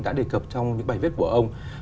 đã đề cập trong những bài viết của ông